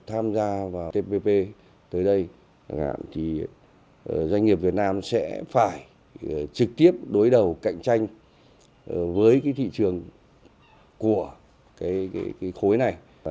tham gia vào tpp tới đây thì doanh nghiệp việt nam sẽ phải trực tiếp đối đầu cạnh tranh với cái thị trường của cái khối này